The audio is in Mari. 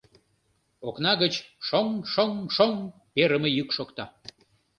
Окна гыч шоҥ-шоҥ-шоҥ перыме йӱк шокта.